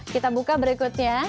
kita buka berikutnya